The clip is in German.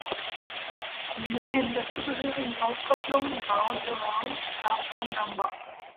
Mit den dazugehörigen Auskopplungen "Bound Around", "Love Song No.